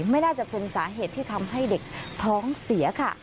ไม่น่าจะเป็นสาเหตุที่ทำให้เด็กท้องเสียค่ะ